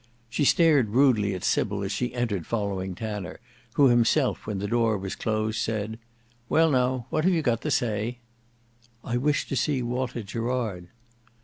She stared rudely at Sybil as she entered following Tanner, who himself when the door was closed said, "Well, now what have you got to say?" "I wish to see Walter Gerard."